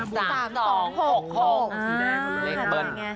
หรือเลขเบิ้ล